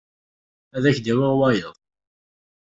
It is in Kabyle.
Ad ak-d-awiɣ wayeḍ.